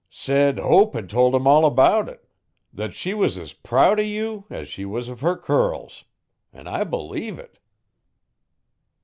'Said Hope had tol' him all about it that she was as proud o' you as she was uv her curls, an' I believe it.